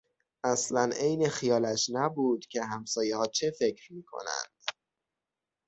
اصلا عین خیالش نبود که همسایهها چه فکر میکنند.